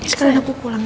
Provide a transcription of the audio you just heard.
sekarang aku pulang ya